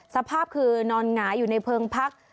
สภาพคือนอนหงายอยู่ในเพลิงพัก